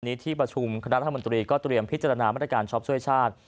ที่ประชุมคณะรัฐมนตรีก็เตรียมพิจารณามาตรการช็อปช่วยชาติ